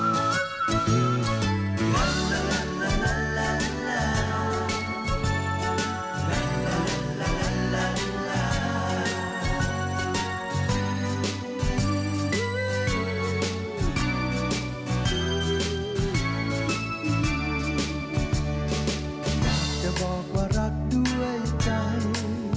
รักด้วยใจรักจะบอกว่ารักด้วยใจ